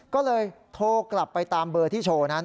ก็เลยโทรกลับไปตามเบอร์ที่โชว์นั้น